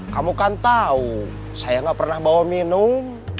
kamu kan tau saya gak pernah bawa minum